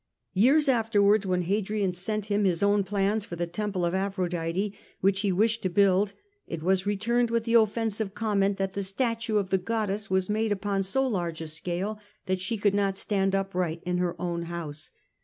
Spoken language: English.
Years afterwards, when Hadrian sent him his own plans for the temple of Aphrodite which he wished to build, it was returned with the offensive comment that the statue of the goddess was made upon so large a scale that she could not stand upright in her own house.